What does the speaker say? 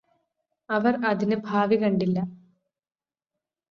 അവര് അതിന് ഭാവി കണ്ടില്ല